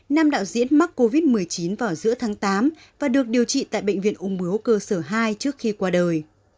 nam đạo diễn mắc covid một mươi chín vào giữa tháng tám và được điều trị tại bệnh viện ung bướu cơ sở hai trước khi qua đời